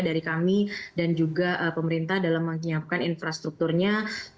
dari kami dan juga pemerintah dalam menyiapkan infrastrukturnya